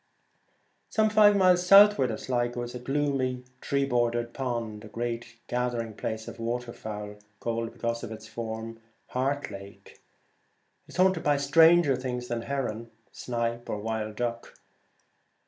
Some five miles southward of Sligo is a gloomy and tree bordered pond, a great gathering place of water fowl, called, be cause of its form, the Heart Lake. It is haunted by stranger things than heron, snipe, or wild duck.